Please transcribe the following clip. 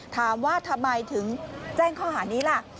ถามว่าทำไมถึงแจ้งข้อหานี้ล่ะ